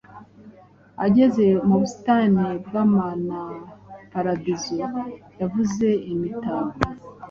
Ageze mu busitani bwimanaparadizo yuzuye imitako